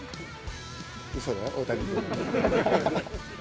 うそだよ、大谷君。